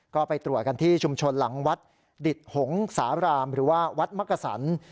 ก็ไปตรวจกันที่ชุมชนหลังวัดดิตหงสารามหรือว่าวัดมักกษัน